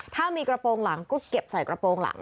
ถ้ามีกระโปรงหลังก็เก็บใส่กระโปรงหลัง